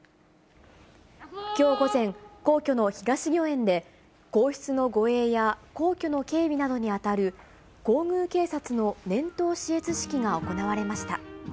きょう午前、皇居の東御苑で、皇室の護衛や、皇居の警備などに当たる皇宮警察の年頭視閲式が行われました。